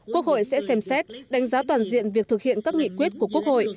quốc hội sẽ xem xét đánh giá toàn diện việc thực hiện các nghị quyết của quốc hội